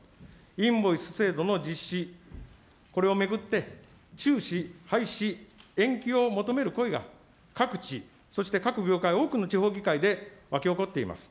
インボイス制度の実施、これを巡って中止、廃止、延期を求める声が、各地、そして各業界、多くの地方議会で沸き起こっています。